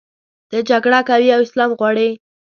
ته جګړه کوې او اسلام غواړې.